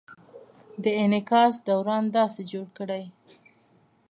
د انعکاس دوران داسې جوړ کړئ: